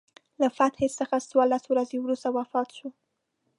له فتحې څخه څوارلس ورځې وروسته وفات شو.